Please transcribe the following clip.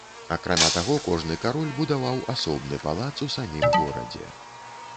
Акрамя таго, кожны кароль будаваў асобны палац у самім горадзе.